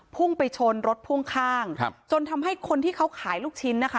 พุ่งไปชนรถพ่วงข้างครับจนทำให้คนที่เขาขายลูกชิ้นนะคะ